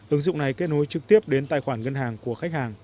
ứng dụng này kết nối trực tiếp đến tài khoản ngân hàng của khách hàng